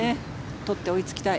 取って追いつきたい。